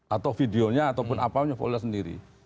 atau videonya ataupun apanya follow sendiri